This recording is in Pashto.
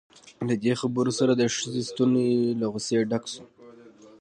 له دې خبرو سره د ښځې ستونی له غصې ډک شو.